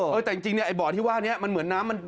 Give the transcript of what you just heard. เออแต่จริงเนี่ยไอ้บ่อที่ว่านี้มันเหมือนน้ำมัน